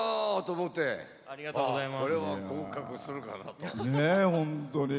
これは合格するかなと。